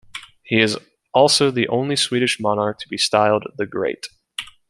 He is also the only Swedish monarch to be styled "the Great".